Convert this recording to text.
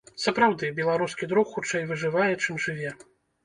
Сапраўды, беларускі друк хутчэй выжывае, чым жыве.